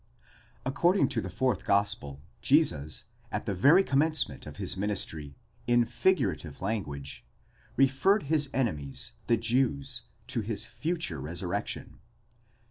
According to the fourth gospel, Jesus, at the very commencement of his ministry, in figurative language, referred his enemies, the Jews, to his future resurrection (ii.